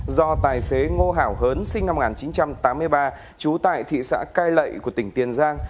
do tài xế ngô hảo hớn sinh năm một nghìn chín trăm tám mươi ba trú tại thị xã cai lậy của tỉnh tiền giang